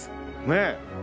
ねえ。